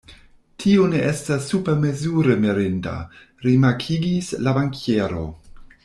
Tio ne estas supermezure mirinda, rimarkigis la bankiero.